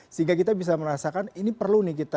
sehingga kita bisa merasakan ini perlu nih kita